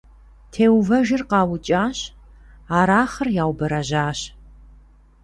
Теувэжыр къаукӀащ, Арахъыр яубэрэжьащ.